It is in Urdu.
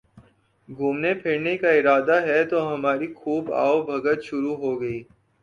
گھومنے پھرنے کا ارادہ ہے تو ہماری خوب آؤ بھگت شروع ہو گئی